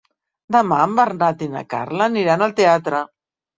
Demà en Bernat i na Carla aniran al teatre.